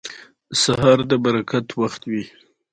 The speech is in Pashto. ازادي راډیو د سوداګریز تړونونه د راتلونکې په اړه وړاندوینې کړې.